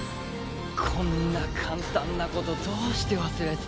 こんな簡単なことどうして忘れてたんだ。